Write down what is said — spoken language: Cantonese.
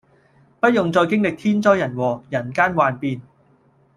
不用再經歷天災人禍，人間幻變